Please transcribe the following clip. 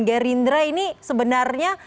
gerindra ini sebenarnya